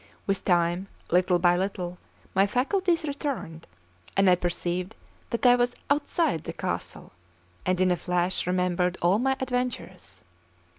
With time, little by little, my faculties returned, and I perceived that I was outside the castle, and in a flash remembered all my adventures.